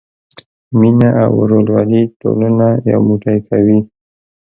مینه او ورورولي ټولنه یو موټی کوي.